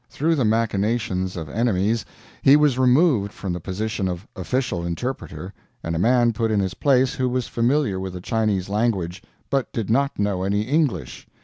Through the machinations of enemies he was removed from the position of official interpreter, and a man put in his place who was familiar with the Chinese language, but did not know any English.